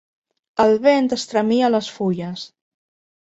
El vent estremia les fulles.